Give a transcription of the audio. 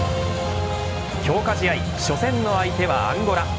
強化試合初戦の相手はアンゴラ。